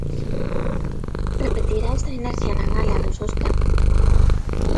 Repetirá esta inercia na gala dos Óscar?